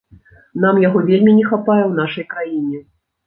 Нам яго вельмі не хапае ў нашай краіне.